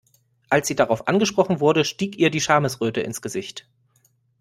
Als sie darauf angesprochen wurde, stieg ihr die Schamesröte ins Gesicht.